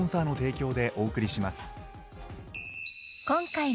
［今回］